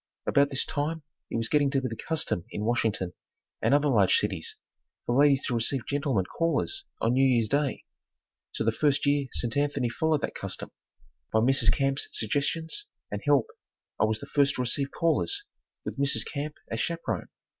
About this time it was getting to be the custom in Washington and other large cities for ladies to receive gentlemen callers on New Year's Day, so the first year St. Anthony followed that custom, by Mrs. Camp's suggestions and help, I was the first to receive callers, with Mrs. Camp as chaperone.